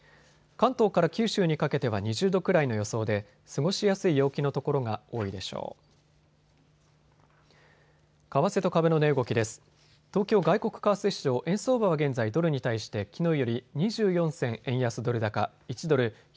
関東から九州にかけては２０度くらいの予想で過ごしやすい陽気の所が多いでしょう。